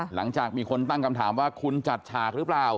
หลังจากมีคนตั้งคำถามว่าคุณจัดฉากหรือเปล่า